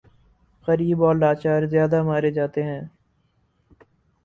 غریب اور لاچار زیادہ مارے جاتے ہیں۔